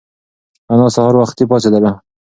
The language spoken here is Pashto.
انا سهار وختي پاڅېدله.